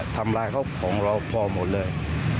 ทำร้ายเขาของเราพอหมดเลย